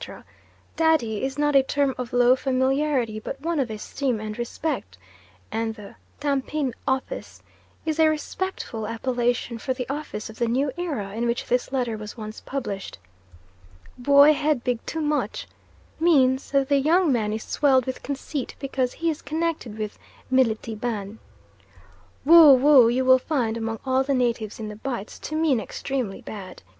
"Daddy" is not a term of low familiarity but one of esteem and respect, and the "Tampin Office" is a respectful appellation for the Office of the "New Era" in which this letter was once published. "Bwoy head big too much," means that the young man is swelled with conceit because he is connected with "Militie ban." "Woh woh" you will find, among all the natives in the Bights, to mean extremely bad.